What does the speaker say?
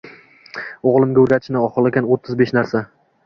O'g'limga o'rgatishni xohlagan o'ttiz besh narsa.